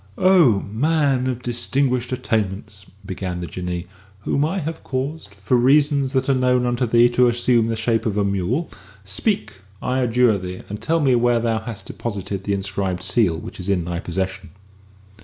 "O man of distinguished attainments!" began the Jinnee, "whom I have caused, for reasons that are known unto thee, to assume the shape of a mule, speak, I adjure thee, and tell me where thou hast deposited the inscribed seal which is in thy possession."